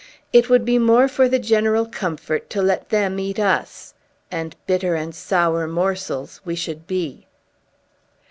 It would be more for the general comfort to let them eat us; and bitter and sour morsels we should be!"